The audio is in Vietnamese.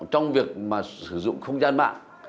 trong việc mà sử dụng không gian mạng